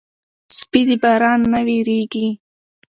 سپي د باران نه وېرېږي.